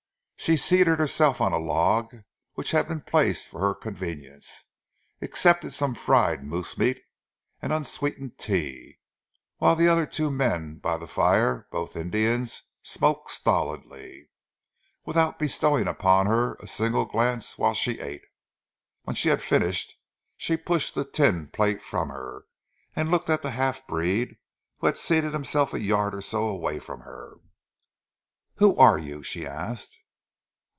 She seated herself on a log which had been placed for her convenience, accepted some fried moose meat and unsweetened tea, whilst the other two men by the fire, both Indians, smoked stolidly, without bestowing upon her a single glance whilst she ate. When she had finished she pushed the tin plate from her, and looked at the half breed, who had seated himself a yard or so away from her. "Who are you?" she asked.